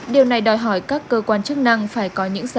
điều này đòi hỏi các cơ quan chức năng phải có những sản phẩm